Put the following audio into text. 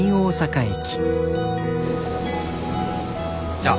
じゃあ。